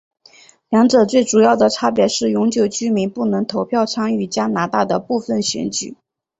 两者最主要的差别是永久居民不能投票参与加拿大的部分选举。